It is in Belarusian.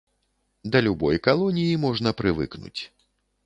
Да любой калоніі можна прывыкнуць.